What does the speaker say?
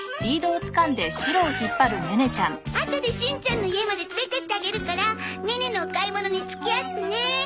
あとでしんちゃんの家まで連れてってあげるからネネのお買い物に付き合ってね。